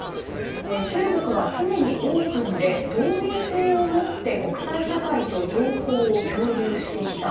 中国は常にオープンで透明性を持って国際社会と情報を共有してきた。